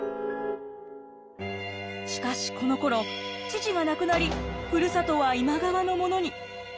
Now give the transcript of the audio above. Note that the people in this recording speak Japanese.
しかしこのころ父が亡くなりふるさとは今川のものに。